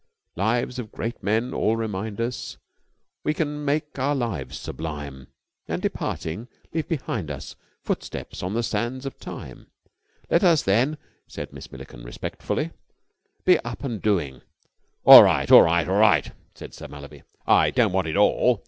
Lives of great men all remind us we can make our lives sublime, and, departing, leave behind us footsteps on the sands of Time. Let us then ..." said Miss Milliken respectfully ... "be up and doing...." "All right, all right, all right!" said Sir Mallaby. "I don't want it all.